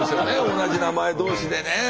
同じ名前同士でね。